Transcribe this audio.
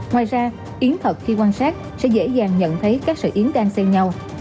ngoài ra yến thật khi quan sát sẽ dễ dàng nhận thấy các sợi yến đang xen nhau